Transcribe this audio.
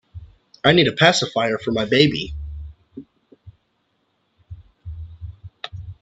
I need a pacifier for my baby.